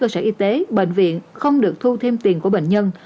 cơ sở y tế bệnh viện không được thu thêm tiền của bệnh nhân